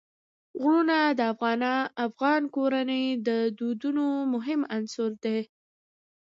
غرونه د افغان کورنیو د دودونو مهم عنصر دی.